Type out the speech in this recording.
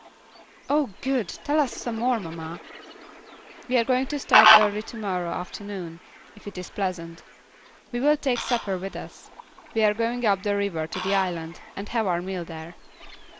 "Oh, good! Tell us some more, mamma." "We are going to start early to morrow afternoon, if it is pleasant. We will take supper with us. We are going up the river to the island, and have our meal there."